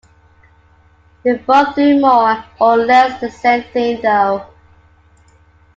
They both do more or less the same thing though.